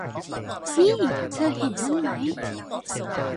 นี่ เธอเห็นนั่นไหม